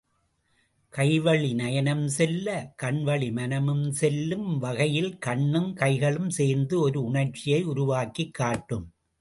கைவழி நயனம் செல்ல, கண்வழி மனமும் செல்லும் வகையில் கண்ணும் கைகளும் சேர்ந்து ஒரு உணர்ச்சியை உருவாக்கிக் காட்டும்.